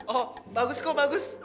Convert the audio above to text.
oh bagus kok bagus